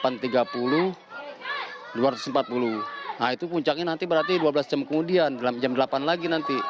nah itu puncaknya nanti berarti dua belas jam kemudian jam delapan lagi nanti